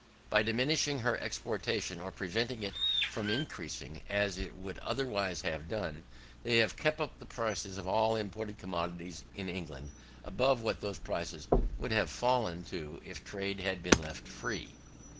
By diminishing her exportation, or preventing it from increasing as it would otherwise have done, they have kept up the prices of all imported commodities in England, above what those prices would have fallen to if trade had been left free.